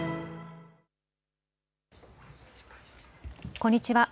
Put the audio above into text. こんにちは。